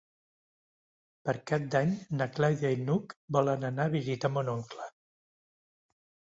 Per Cap d'Any na Clàudia i n'Hug volen anar a visitar mon oncle.